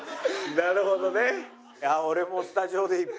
なるほどね。